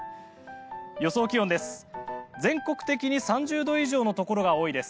予想気温です。